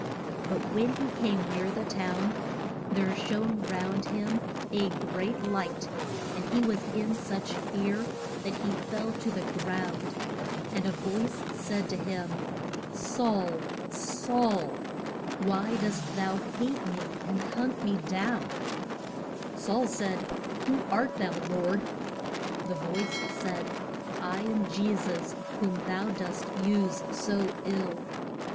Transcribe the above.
But when he came near the town there shone round him a great light, and he was in such fear that he fell to the ground. And a voice said to him, Saul, Saul, why dost thou hate me and hunt me down? [Illustration: THE COM ING OF THE HO LY GHOST.] Saul said, Who art thou, Lord? The voice said, I am Je sus, whom thou dost use so ill.